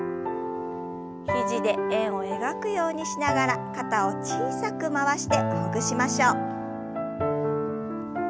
肘で円を描くようにしながら肩を小さく回してほぐしましょう。